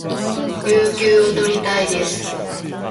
有給を取りたいです